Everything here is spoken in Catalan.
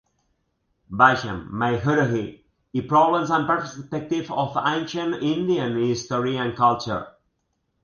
Basham, My Guruji i Problems and Perspectives of Ancient Indian History and Culture.